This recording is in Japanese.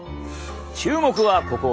注目はここ。